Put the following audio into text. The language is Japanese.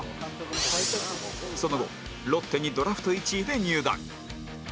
その後ロッテにドラフト１位で入団